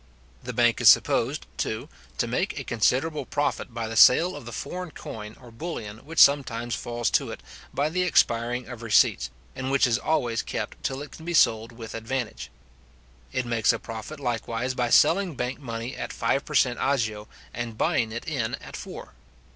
The bank is supposed, too, to make a considerable profit by the sale of the foreign coin or bullion which sometimes falls to it by the expiring of receipts, and which is always kept till it can be sold with advantage. It makes a profit, likewise, by selling bank money at five per cent. agio, and buying it in at four.